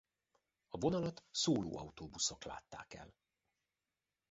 A vonalat szóló autóbuszok látták el.